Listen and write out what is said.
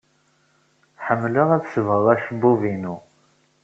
Ḥemmleɣ ad sebɣeɣ acebbub-inu.